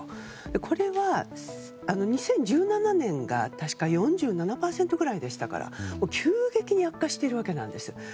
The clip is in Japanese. これは、２０１７年が確か４７％くらいでしたから急激に悪化しているわけなんです。